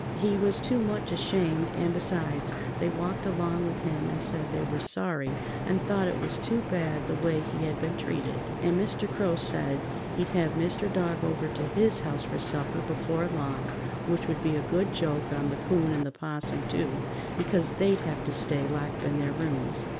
He was too much ashamed, and, besides, they walked along with him and said they were sorry and thought it was too bad the way he had been treated, and Mr. Crow said he'd have Mr. Dog over to his house for supper before long, which would be a good joke on the 'Coon and 'Possum, too, because they'd have to stay locked in their rooms.